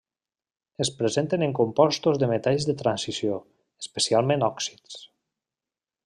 Es presenten en compostos de metalls de transició, especialment òxids.